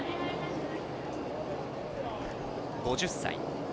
５０歳。